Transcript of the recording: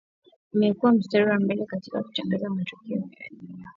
imekua mstari wa mbele katika kutangaza matukio muhimu ya dunia